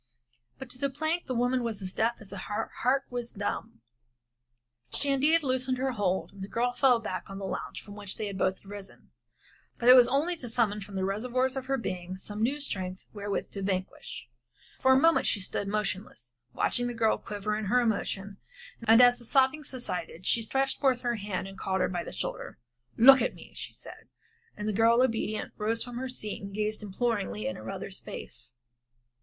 But to the plaint the woman was as deaf as her heart was dumb. She indeed loosened her hold and the girl fell back on the lounge from which they had both arisen, but it was only to summon from the reservoirs of her being some new strength wherewith to vanquish. For a moment she stood motionless, watching the girl quiver in her emotion, and as the sobbing subsided, she stretched forth her hand again, and caught her by the shoulder. "Look up at me," she said, and the girl, obedient, rose from her seat and gazed imploringly in her mother's face.